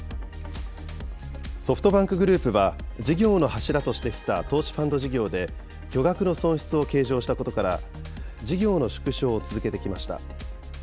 ソフトバンクグループは、事業の柱としてきた投資ファンド事業で、巨額な損失を計上したことから、事業の縮小を続けてきました。